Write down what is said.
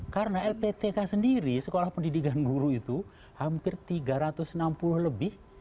karena lptk sendiri sekolah pendidikan guru itu hampir tiga ratus enam puluh lebih